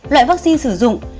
loại vaccine sử dụng